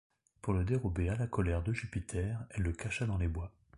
Pour le dérober à la colère de Jupiter, elle le cacha dans les bois.